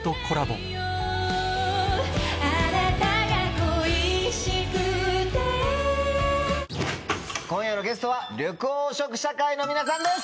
あなたが恋しくて今夜のゲストは緑黄色社会の皆さんです！